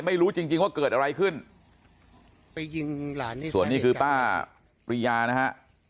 ไม่รู้จริงจริงว่าเกิดอะไรขึ้นไปยิงหลานส่วนนี้คือป้าปริยานะฮะ